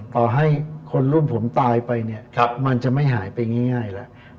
ต่อให้คนรุ่นผมตายไปเนี่ยมันจะไม่หายไปง่ายแล้ว